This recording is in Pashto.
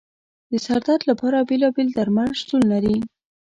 د سر درد لپاره بېلابېل درمل شتون لري.